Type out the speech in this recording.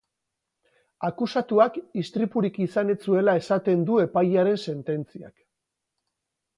Akusatuak istripurik izan ez zuela esaten du epailearen sententziak.